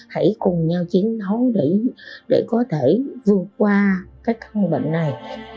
hãy cùng nhau chiến thấu để có thể vượt qua cái thân bệnh này